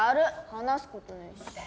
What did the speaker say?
話すことねえし。